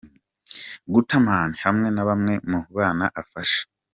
Gutterman hamwe na bamwe mu bana afasha.